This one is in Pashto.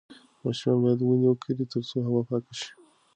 ماشومان باید ونې وکرې ترڅو هوا پاکه شي.